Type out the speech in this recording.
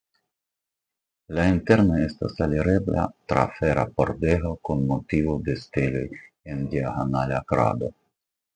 La interno estas alirebla tra fera pordego kun motivo de steloj en diagonala krado.